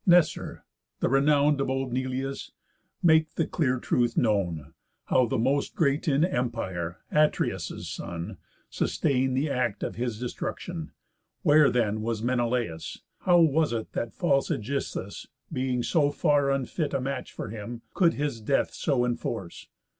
Nestor! the renown Of old Neleius, make the clear truth known, How the most great in empire, Atreus' son, Sustain'd the act of his destruction, Where then was Menelaus? How was it That false Ægisthus, being so far unfit A match for him, could his death so enforce?